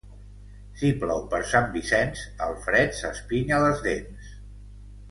Si plou per Sant Vicenç, el fred s'espinya les dents.